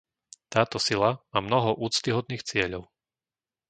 Táto sila má mnoho úctyhodných cieľov.